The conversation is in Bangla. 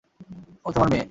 ও তোমার মেয়ে!